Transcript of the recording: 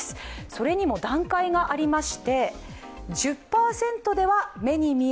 それにも段階があります。